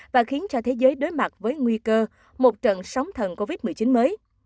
và khiến cho thế giới đối mặt với nguy cơ một trận sóng thần covid một mươi chín mới